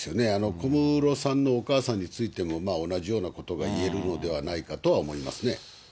小室さんのお母さんについても、同じようなことが言えるのではないかとは思いますね。